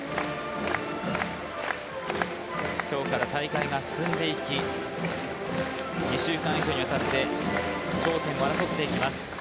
きょうから大会が進んでいき２週間以上にわたって頂点を争っていきます。